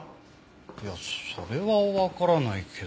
いやそれはわからないけど。